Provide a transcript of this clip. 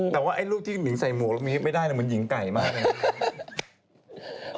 แต่ว่าไอ้รูปที่หิงใส่หมวกแล้วมีไม่ได้เหมือนหญิงไก่มากเลย